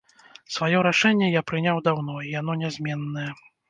Сваё рашэнне я прыняў даўно, і яно нязменнае.